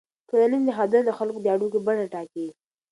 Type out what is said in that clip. ټولنیز نهادونه د خلکو د اړیکو بڼه ټاکي.